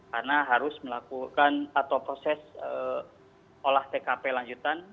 karena harus melakukan atau proses olah tkp lanjutan